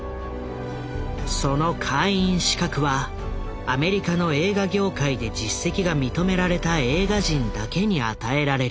その会員資格はアメリカの映画業界で実績が認められた映画人だけに与えられる。